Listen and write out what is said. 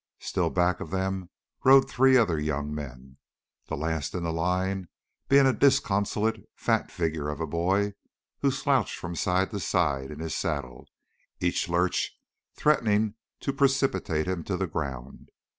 Still back of them rode three other young men, the last in the line being a disconsolate fat figure of a boy who slouched from side to side in his saddle, each lurch threatening to precipitate him to the ground.